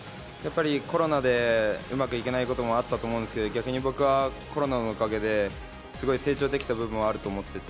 コロナでうまくいかないこともあったと思うんですけど逆に僕はコロナのおかげですごい成長できた部分もあると思っていて。